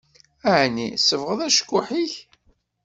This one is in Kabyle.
Aɛni tsebɣeḍ acekkuḥ-ik?